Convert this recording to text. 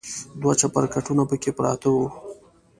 دوه چپرکټونه پکې پراته و.